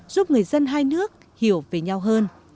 để các nước hiểu về nhau hơn